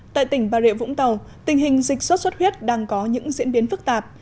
tại tỉnh bà rịa vũng tàu tình hình dịch sốt xuất huyết đang có những diễn biến phức tạp